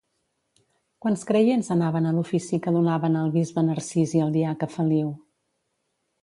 Quants creients anaven a l'ofici que donaven el bisbe Narcís i el diaca Feliu?